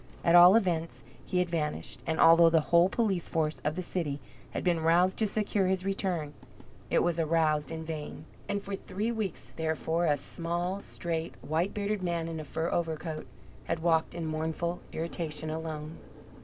At all events, he had vanished, and although the whole police force of the city had been roused to secure his return, it was aroused in vain. And for three weeks, therefore, a small, straight, white bearded man in a fur overcoat had walked in mournful irritation alone.